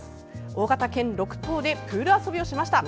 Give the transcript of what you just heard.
大型犬６頭でプール遊びをしました。